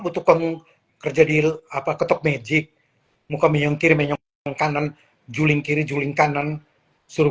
tukang kerja di apa ketuk magic muka menyongkir menyongkir kanan juling kiri juling kanan suruh